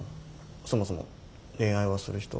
そもそも恋愛はする人？しない人？